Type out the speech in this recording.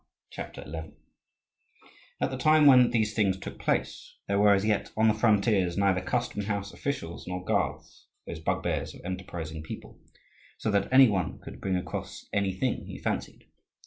CHAPTER XI At the time when these things took place, there were as yet on the frontiers neither custom house officials nor guards those bugbears of enterprising people so that any one could bring across anything he fancied.